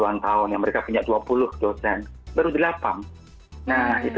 tapi kami gelar lebih ke tempat ini kealar lebih jauh dari sisi itu